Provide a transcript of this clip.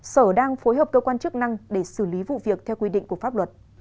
sở đang phối hợp cơ quan chức năng để xử lý vụ việc theo quy định của pháp luật